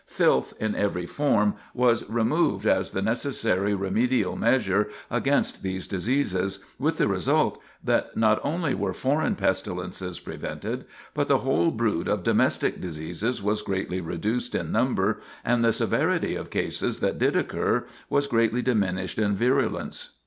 Filth in every form was removed as the necessary remedial measure against these diseases, with the result that not only were foreign pestilences prevented, but the whole brood of domestic diseases was greatly reduced in number, and the severity of cases that did occur was greatly diminished in virulence.